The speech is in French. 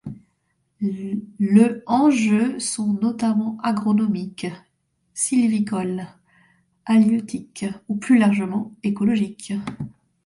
Le enjeux sont notamment agronomiques, sylvicoles, halieutiques et plus largement écologique.